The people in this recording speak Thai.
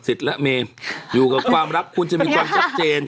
สิทธิ์และเมมอยู่กับความรักคุณจะมีความชัดเจน